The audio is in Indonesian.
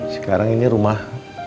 sekarang ini rumah